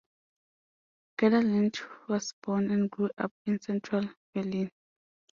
Gerda Lange was born and grew up in central Berlin.